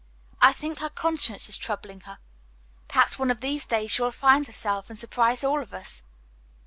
I think her conscience is troubling her. Perhaps one of these days she will find herself and surprise all of us."